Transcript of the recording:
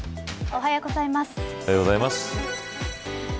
おはようございます。